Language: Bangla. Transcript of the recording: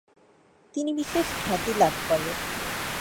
তিনি বিশেষ খ্যাতি লাভ করেন।